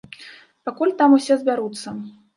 Пакуль там усе збяруцца.